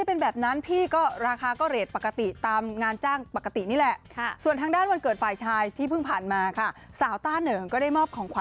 ออกไปถามเจ๊เจ๊แล้วกันนะคะ